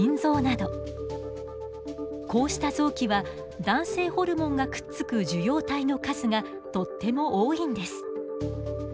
こうした臓器は男性ホルモンがくっつく受容体の数がとっても多いんです。